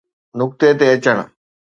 نقطي تي اچڻ.